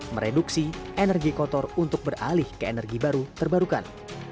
mereduksi energi kotor untuk beralih ke energi baru terbarukan